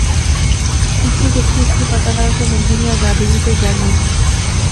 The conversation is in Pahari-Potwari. ایتھیں گچھی اس کی پتہ لغا کہ ملخے نی آزادی وی کوئی گل ہونی